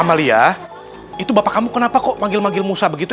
amalia itu bapak kamu kenapa kok manggil manggil musa begitu